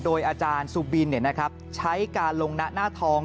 โดยอาจารย์สุบินใช้การลงหน้าทอง